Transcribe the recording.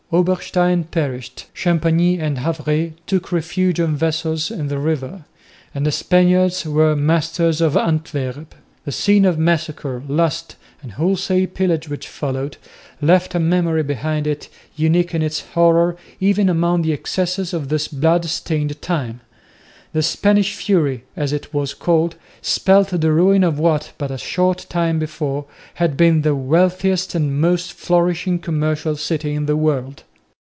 Oberstein perished; Champagney and Havré took refuge on vessels in the river; and the Spaniards were masters of Antwerp. The scene of massacre, lust and wholesale pillage, which followed, left a memory behind it unique in its horror even among the excesses of this blood stained time. The "Spanish Fury," as it was called, spelt the ruin of what, but a short time before, had been the wealthiest and most flourishing commercial city in the world.